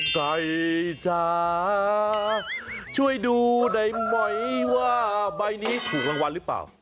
ไก่จ๋าช่วยดูได้ไหมว่าใบนี้ถูกรางวัลหรือเปล่า